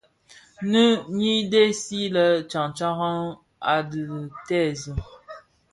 Nnë nyi dhesen le tyantyaran a dhi tèèzi.